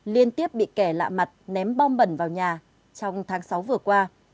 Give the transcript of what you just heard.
liên tiếp bị kẻ lạ mặt ném bom bẩn vào nhà trong tháng sáu vừa qua